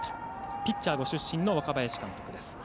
ピッチャーご出身の若林監督です。